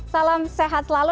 salam sehat selalu